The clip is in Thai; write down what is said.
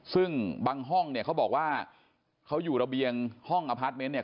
ซึ่งบางห้องเนี่ยเขาบอกว่าเขาอยู่ระเบียงห้องอพาร์ทเมนต์เนี่ย